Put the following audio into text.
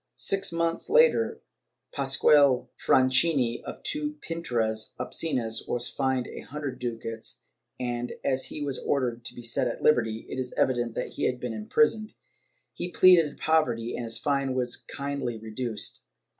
Six months later, Pasqual Franchini for two pinturas obscenas was fined a hundred ducats and, as he was ordered to be set at liberty, it is evident that he had been imprisoned ; he pleaded poverty and his fine was kindly reduced.